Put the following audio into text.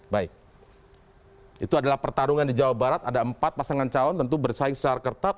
baik itu adalah pertarungan di jawa barat ada empat pasangan calon tentu bersaing secara kertat